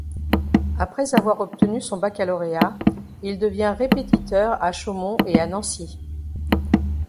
Après avoir obtenu son baccalauréat, il devient répétiteur à Chaumont et à Nancy.